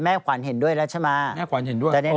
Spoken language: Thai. แม่ขวัญเห็นด้วยแล้วใช่ไหม